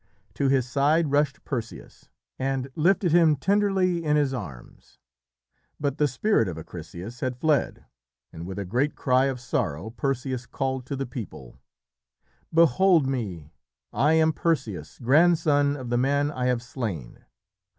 To his side rushed Perseus, and lifted him tenderly in his arms. But the spirit of Acrisius had fled. And with a great cry of sorrow Perseus called to the people: "Behold me! I am Perseus, grandson of the man I have slain!